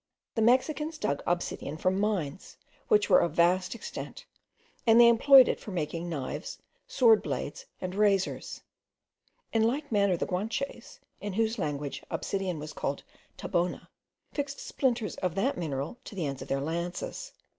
The Mexicans dug obsidian from mines, which were of vast extent; and they employed it for making knives, sword blades, and razors. In like manner the Guanches, (in whose language obsidian was called tabona,) fixed splinters of that mineral to the ends of their lances.